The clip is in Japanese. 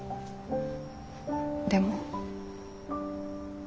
でも。